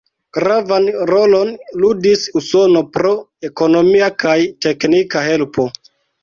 Gravan rolon ludis Usono pro ekonomia kaj teknika helpo.